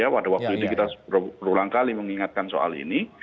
pada waktu itu kita berulang kali mengingatkan soal ini